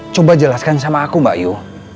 coba jelaskan sama aku mbak yu